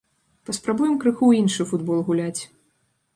Паспрабуем крыху ў іншы футбол гуляць.